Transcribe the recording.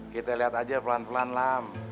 kita lihat aja pelan pelan lah